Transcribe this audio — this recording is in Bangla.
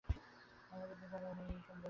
আমি মনে করছি, তাঁর ওখানে গিয়ে বসে বসে বই লিখব।